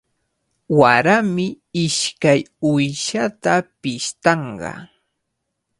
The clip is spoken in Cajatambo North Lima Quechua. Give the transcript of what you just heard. Warami ishkay uyshata pishtanqa.